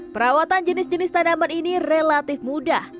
perawatan jenis jenis tanaman ini relatif mudah